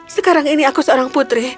sekarang ini aku seorang putri